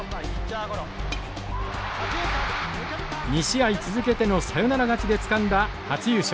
２試合続けてのサヨナラ勝ちでつかんだ初優勝。